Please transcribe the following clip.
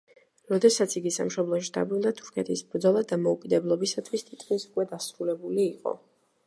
როდესაც იგი სამშობლოში დაბრუნდა, თურქეთის ბრძოლა დამოუკიდებლობისათვის თითქმის უკვე დასრულებული იყო.